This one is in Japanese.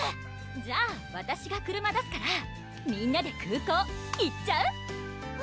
じゃあわたしが車出すからみんなで空港行っちゃう？